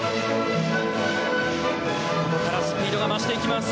ここからスピードが増していきます。